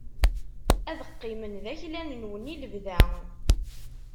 Ad qqimen d aklan-nwen i lebda